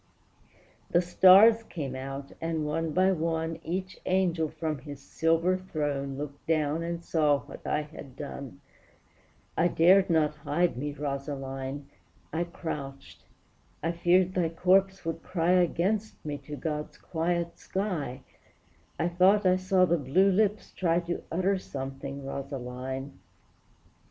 The stars came out; and, one by one, Each angel from his silver throne Looked down and saw what I had done; I dared not hide me, Rosaline! I crouched; I feared thy corpse would cry Against me to God's quiet sky, I thought I saw the blue lips try To utter something, Rosaline!